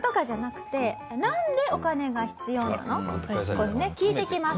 これね聞いてきます。